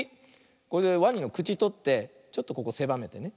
これでワニのくちとってちょっとここせばめてね